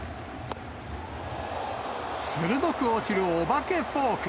鋭く落ちるお化けフォーク。